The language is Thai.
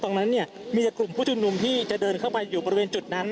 ตรงนั้นเนี่ยมีแต่กลุ่มผู้ชุมนุมที่จะเดินเข้าไปอยู่บริเวณจุดนั้น